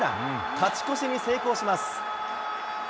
勝ち越しに成功します。